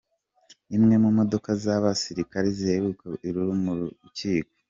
Imwe mu modoka z'abasirikare zihereza Lulu mu rukiko.